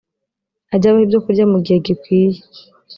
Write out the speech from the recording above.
ajye abaha ibyokurya mu gihe gikwiye